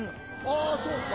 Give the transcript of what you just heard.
あぁそうか。